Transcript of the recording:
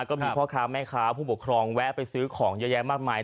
ก็มีพ่อค้าแม่ค้าผู้ปกครองแวะไปซื้อของเยอะแยะมากมาย